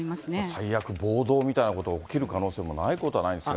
最悪、暴動みたいなこと、起きる可能性もないことはないです